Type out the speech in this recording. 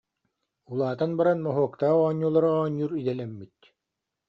Улаатан баран моһуоктаах оонньуулары оонньуур идэлэммит